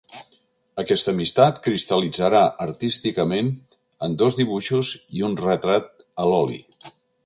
Aquesta amistat cristal·litzarà, artísticament, en dos dibuixos i un retrat a l'oli.